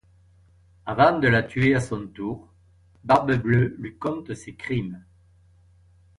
Avant de la tuer à son tour, Barbe Bleue lui conte ses crimes.